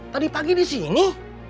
tadi pagi disini